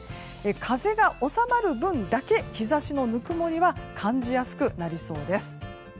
風が収まる分だけ日差しのぬくもりは感じやすくなりそうです。